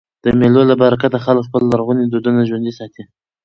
د مېلو له برکته خلک خپل لرغوني دودونه ژوندي ساتي.